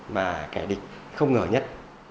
mà kẻ địch không ngờ nhất